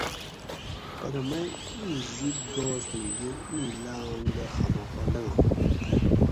پرہ می ایں زِد گاس اوں یہ ایں لانگ دہ خامخہ لنگاں